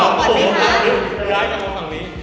อ่ะคือใจจังของภาพนี้